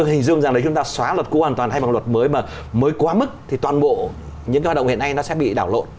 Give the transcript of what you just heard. tôi hình dung rằng là chúng ta xóa luật cũ hoàn toàn thay bằng luật mới mà mới quá mức thì toàn bộ những cái hoạt động hiện nay nó sẽ bị đảo lộn